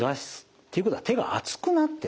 っていうことは手が熱くなってる。